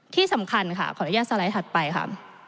ที่สำคัญค่ะขออนุญาตสไลด์ถัดไปค่ะ